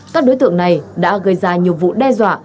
các đối tượng này đã gây ra nhiều vụ đe dọa